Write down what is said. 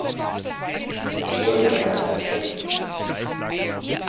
Es wurde dabei auch geschossen.